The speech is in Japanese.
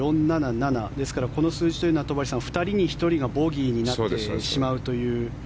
ですから、この数字というのは２人に１人がボギーになってしまうという。